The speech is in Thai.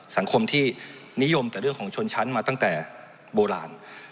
สังคมที่นิยมแต่เรื่องของชนชั้นมาตั้งแต่โบราณ